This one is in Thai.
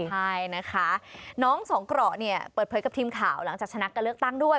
ใช่นะคะน้องสองเกราะเนี่ยเปิดเผยกับทีมข่าวหลังจากชนะการเลือกตั้งด้วย